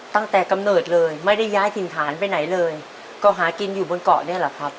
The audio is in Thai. กำเนิดเลยไม่ได้ย้ายถิ่นฐานไปไหนเลยก็หากินอยู่บนเกาะเนี่ยแหละครับ